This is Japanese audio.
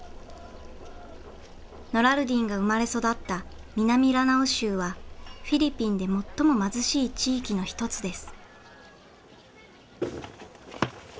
ノラルディンが生まれ育った南ラナオ州はフィリピンで最も貧しい地域の一つです。